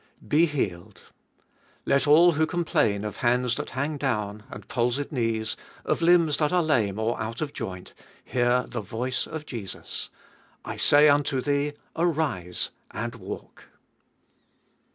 3. Be healed. Let all who complain of hands that hang down and palsied hnees, of limbs that are lame or out of joint, hear the voice of Jesus : I say unto thee, Arise, and walk.